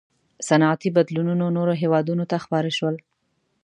• صنعتي بدلونونه نورو هېوادونو ته خپاره شول.